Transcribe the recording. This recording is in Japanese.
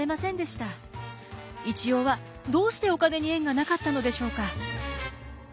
一葉はどうしてお金に縁がなかったのでしょうか？